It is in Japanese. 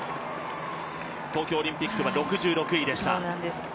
東京オリンピックは６６位でした、